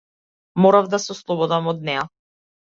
Морав да се ослободам од неа.